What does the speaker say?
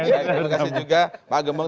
terima kasih juga pak gembong